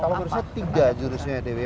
kalau menurut saya tiga jurusnya dw